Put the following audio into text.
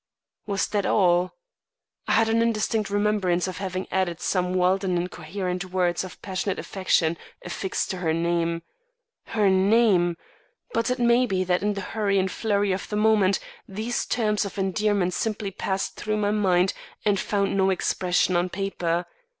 Was that all? I had an indistinct remembrance of having added some wild and incoherent words of passionate affection affixed to her name. Her name! But it may be that in the hurry and flurry of the moment, these terms of endearment simply passed through my mind and found no expression on paper.